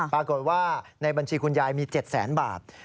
ปรากฏว่าในบัญชีของคุณยายมี๗๐๐๐๐๐บาท